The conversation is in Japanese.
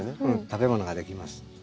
食べ物ができます。